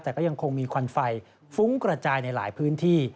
แต่ก็ยังคงมีควันไฟฟุ้งกระจายในหลายพื้นที่